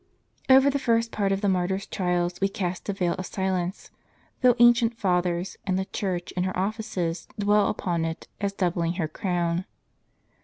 Over the first part of the martyr's trials we cast a veil of silence, though ancient Fathers, and the Church in her oflices, dwell upon it, as doubling her crown.